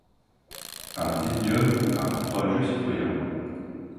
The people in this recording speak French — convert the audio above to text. Un digne homme, un courageux citoyen !